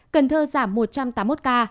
cần thơ giảm một trăm tám mươi một ca